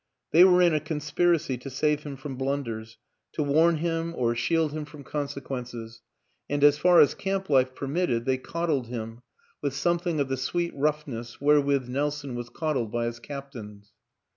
They were in a conspiracy to save him from blunders to warn him or shield him 242 WILLIAM AN ENGLISHMAN from consequences, and as far as camp life per mitted they coddled him, with something of the sweet roughness wherewith Nelson was coddled by his captains.